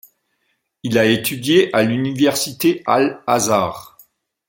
Il a étudié à l'université al-Azhar.